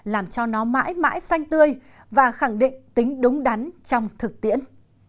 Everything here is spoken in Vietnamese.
làm cho nó mãi mãi xanh tươi và khẳng định tính đúng đắn trong thực tiễn